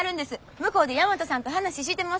向こうで大和さんと話してますわ。